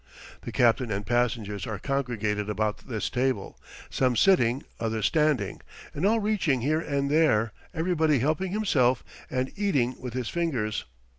The captain and passengers are congregated about this table, some sitting, others standing, and all reaching here and there, everybody helping himself and eating with his fingers.